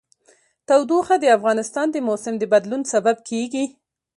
تودوخه د افغانستان د موسم د بدلون سبب کېږي.